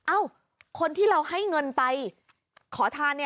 คนที่เราให้เงินไปขอทาน